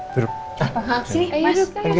terima kasih loh kiki